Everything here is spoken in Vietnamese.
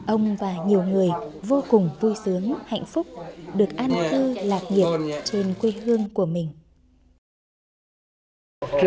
ông và nhiều người vô cùng vui sướng hạnh phúc được an tư lạc nhiệt trên quê hương của mình